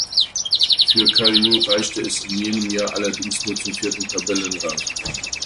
Für Kalju reichte es in jenem Jahr allerdings nur zum vierten Tabellenrang.